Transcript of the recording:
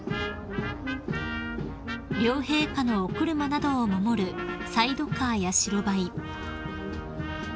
［両陛下のお車などを守るサイドカーや白バイ］